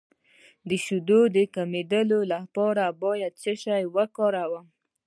د شیدو د کمیدو لپاره باید څه شی وکاروم؟